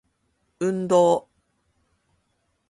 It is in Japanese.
運動